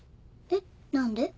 えっ何で？